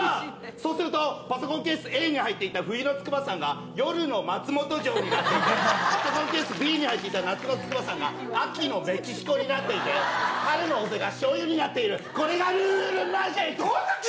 そうするとパソコンケースＡに入っていた冬の筑波山が夜の松本城になっていて、パソコンケースＢに入っていた夏の筑波山が冬のエジプトになっていて春の尾瀬がしょうゆになっている、これがルールマジック！